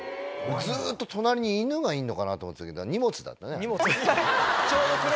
ずっと隣に犬がいるのかなと思ってたけど荷物だったねあれ。